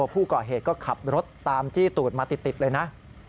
ผู้ก่อเหตุก็ขับรถตามจี้ตูดมาติดเลยนะ